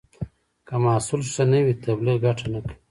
که محصول ښه نه وي، تبلیغ ګټه نه کوي.